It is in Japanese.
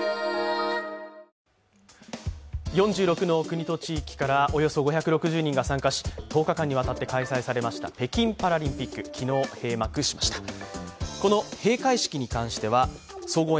４６の国と地域からおよそ５６０人が参加し１０日間にわたって開催されました北京パラリンピック、昨日閉幕しました。